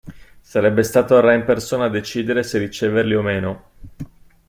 Sarebbe stato il Re in persona a decidere se riceverli o meno.